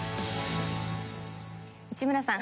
内村さん。